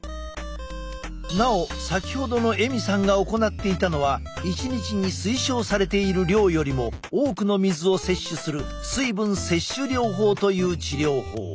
なお先ほどのエミさんが行っていたのは１日に推奨されている量よりも多くの水を摂取する水分摂取療法という治療法。